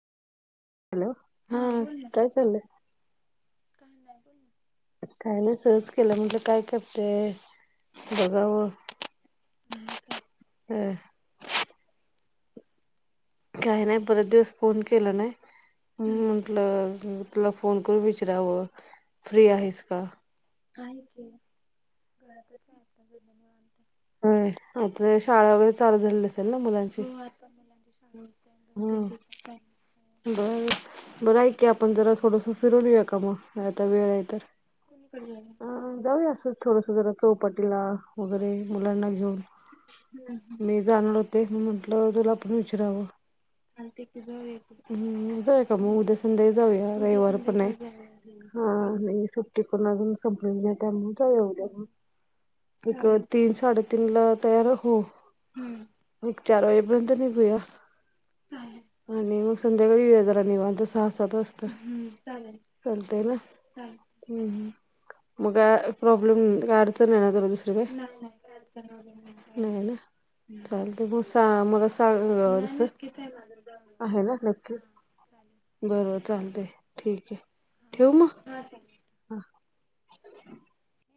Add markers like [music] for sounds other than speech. Hello हा काय चाललंय काय नाय सहज केला म्हटलं काय करते बघावं. नाय काय [unintelligible] काय नाय बरेच दिवस फोन केला नाय. म्हणून म्हंटलं तुला फोन करून विचारावं फ्री आहेस का? आहे की घरातच हाय आता सध्या निवांत हं तुझी शाळा वगैरे चालू झाली असेल ना मुलांची हो आता मुलांची शाळा होते दोन तीन दिवसात चालू हो [unintelligible] आपण जरा थोडंस फिरून घ्यायच मग आता वेळ हाय त कुणीक अं जाऊया असच थोडस जरा चौपाटीला वगैरे मुलांना घेऊन मी जाणार होते म्हणून म्हंटलं तुला पण विचरावं. आणि तिथं जाऊया की हूं जाऊया का म उद्या संध्याकाळी जाऊया रविवार पण हाय. हा नाही सुट्टी पण अजून संपलेली नाही त्यामुळे जाऊया उद्या मग तीकट तीन साडेतीन ला तयार हो, एक चार वाजेपर्यंत निघूया. चालेल. आणि मग संध्याकाळी जरा निवांत सहा सात वाजता चालेल चालते ना चा हम मग का प्रॉब्लेम अडचण आहे ना तला दुसर काय. नाय का अडचण वगैरे नाही काय नाही. नाही नक्कीच आहे माझं जाऊया म्हणून हा चालेल. बरं बरं चालतय ठीक आहे. आवरु मग हा चालेल.